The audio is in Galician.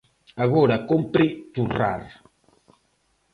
Agora cómpre turrar.